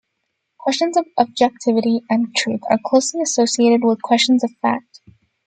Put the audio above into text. Questions of objectivity and truth are closely associated with questions of fact.